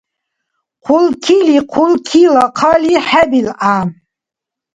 Хъулкили хъулкила хъали хӀебилгӀя.